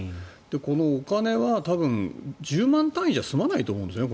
このお金は多分１０万単位じゃ済まないと思うんですよね。